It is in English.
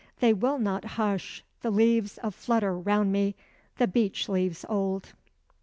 They will not hush, the leaves a flutter round me, the beech leaves old.